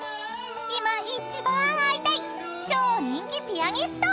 ［今一番会いたい超人気ピアニスト！］